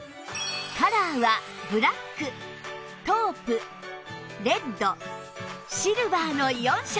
カラーはブラックトープレッドシルバーの４色